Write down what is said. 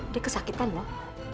dia kesakitan loh